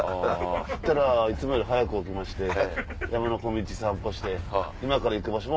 そしたらいつもより早く起きて山の小道散歩して。